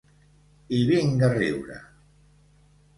I vinga a riure.